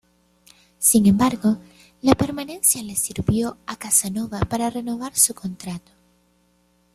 Sin embargo, la permanencia le sirvió a Casanova para renovar su contrato.